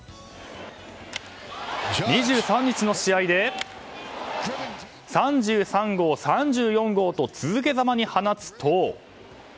２３日の試合で３３号、３４号と続けざまに放つと。